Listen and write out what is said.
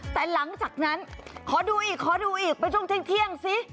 แต่หลังจากนั้นขอดูอีกขอดูอีกไปช่วงเที่ยงซิ